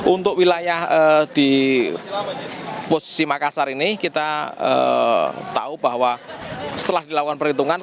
untuk wilayah di posisi makassar ini kita tahu bahwa setelah dilakukan perhitungan